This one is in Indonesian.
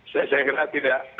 saya kira tidak